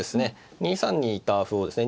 ２三にいた歩をですね